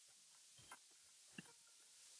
他也是正规表示法的发明者。